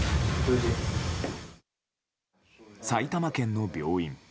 埼玉県の病院。